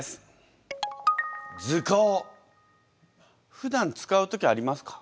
ふだん使う時ありますか？